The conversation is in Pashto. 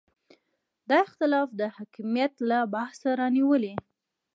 دا اختلاف د حکمیت له بحثه رانیولې.